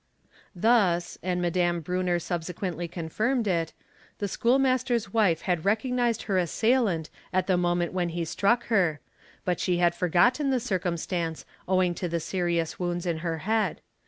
; Thus, and Madam Brunner subsequently confirmed it, the school | master's wife had recognised her assailant at the moment when h struck her, but she had forgotten the circumstance owing to the seriou , wounds in her head.